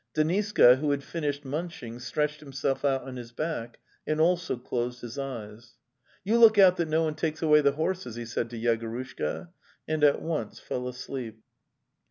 Deniska, who had finished munching, stretched him self out on his back and also closed his eyes. "You look out that no one takes away the horses!' he said to Yegorushka, and at once fell asleep.